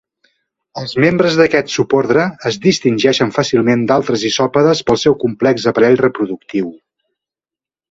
Els membres d'aquest subordre es distingeixen fàcilment d'altres isòpodes pel seu complex aparell reproductiu.